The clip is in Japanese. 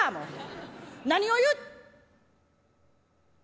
何を言う」。